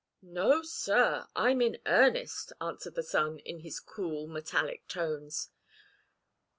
"No, sir; I'm in earnest," answered the son, in his cool, metallic tones.